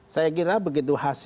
saya kira begitu hasil